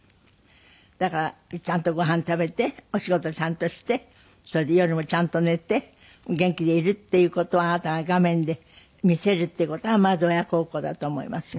だからちゃんとごはん食べてお仕事ちゃんとしてそれで夜もちゃんと寝て元気でいるっていう事をあなたが画面で見せるって事がまず親孝行だと思いますよ。